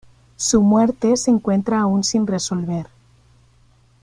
Su muerte se encuentra aun sin resolver.